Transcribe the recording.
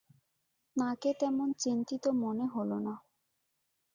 তাঁকে তেমন চিন্তিত মনে হল না।